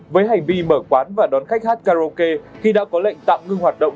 với hành vi mở quán và đón khách hát karaoke khi đã có lệnh tạm ngưng hoạt động